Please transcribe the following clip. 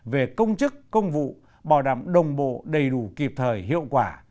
về công chức công vụ bảo đảm đồng bộ đầy đủ kịp thời hiệu quả